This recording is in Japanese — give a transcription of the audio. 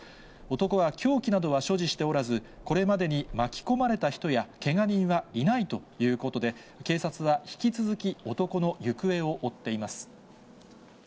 男は凶器などは所持しておらず、これまでに巻き込まれた人やけが人はいないということで、警察は引き続き、男の行方を追っています。